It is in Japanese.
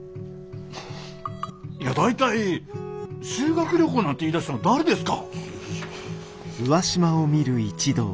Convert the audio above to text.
いや大体修学旅行なんて言いだしたの誰ですか？